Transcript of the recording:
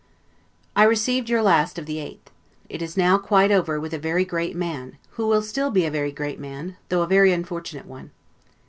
I received your last of the 8th. It is now quite over with a very great man, who will still be a very great man, though a very unfortunate one.